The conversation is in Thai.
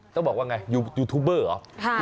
ต้องบอกว่าไงอยู่ยูทูบเบอร์เหรอ